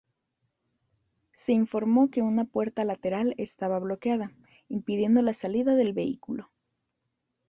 Se informó que una puerta lateral estaba bloqueada, impidiendo la salida del vehículo.